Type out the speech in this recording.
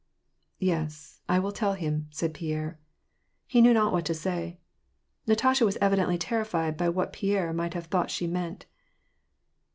" Yes, I will tell him," said Pierre. He knew not what to say. Natasha was evidently terrified by what Pierre might, have thought she meant.